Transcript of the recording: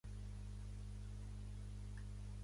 Chip Rerig és el nou administrador de la ciutat.